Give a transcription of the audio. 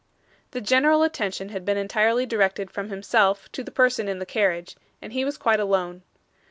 The general attention had been entirely directed from himself to the person in the carriage, and he was quite alone.